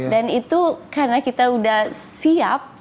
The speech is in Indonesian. dan itu karena kita udah siap